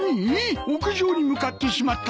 屋上に向かってしまったぞ。